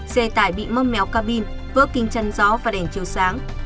xe tải bị mâm méo cabin vỡ kinh chân gió và đèn chiều sáng